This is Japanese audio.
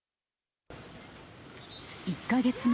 １か月前。